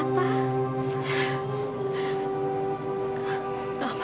kamu suaranya sangat berburu buru